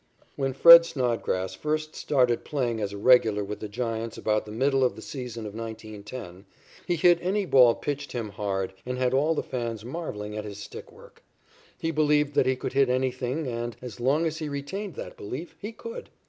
When Fred Snodgrass first started playing as a regular with the Giants about the middle of the season of 1910, he hit any ball pitched him hard and had all the fans marvelling at his stick work. He believed that he could hit anything and, as long as he retained that belief, he could.